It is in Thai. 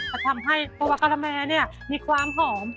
จะทำให้ตัวการแมร์นี่มีความหอม